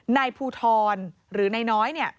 นายภูทรหรือไนน้อย